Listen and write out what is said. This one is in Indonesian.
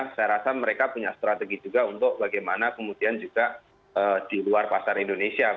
saya rasa mereka punya strategi juga untuk bagaimana kemudian juga di luar pasar indonesia